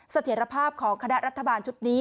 เสถียรภาพของคณะรัฐบาลชุดนี้